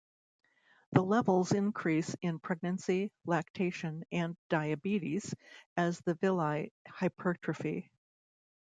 The levels increase in pregnancy, lactation, and diabetes as the villi hypertrophy.